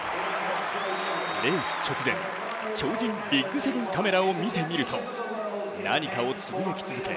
レース直前、超人ＢＩＧ７カメラを見てみると、何かをつぶやき続け